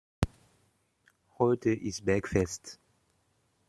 Heute ist Bergfest.